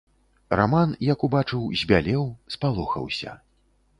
Раман, як убачыў, збялеў, спалохаўся.